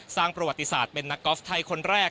สร้างประวัติศาสตร์เป็นนักกอล์ฟไทยคนแรก